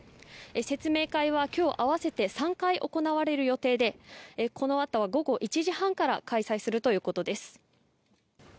説明会は今日、合わせて３回行われる予定でこのあとは午後１時半から開催するということです。